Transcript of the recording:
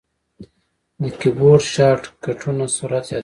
د کیبورډ شارټ کټونه سرعت زیاتوي.